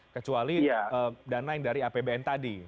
kecuali dana yang dari apbn tadi